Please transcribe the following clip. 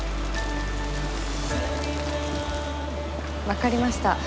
わかりました。